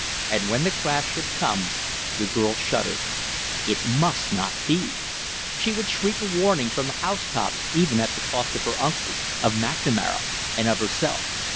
And when the crash should come the girl shuddered. It must not be. She would shriek a warning from the house tops even at cost of her uncle, of McNamara, and of herself.